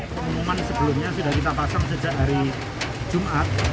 pengumuman sebelumnya sudah kita pasang sejak hari jumat